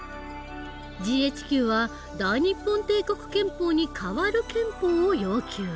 ＧＨＱは大日本帝国憲法に代わる憲法を要求。